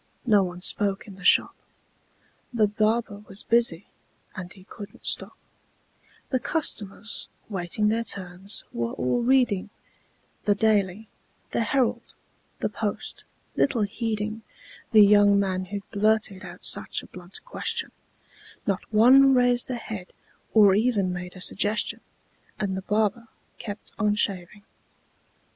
No one spoke in the shop: The barber was busy, and he couldn't stop; The customers, waiting their turns, were all reading The "Daily," the "Herald," the "Post," little heeding The young man who blurted out such a blunt question; Not one raised a head, or even made a suggestion; And the barber kept on shaving.